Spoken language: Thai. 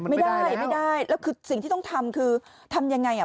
ไม่ได้ไม่ได้แล้วคือสิ่งที่ต้องทำคือทำยังไงอ่ะ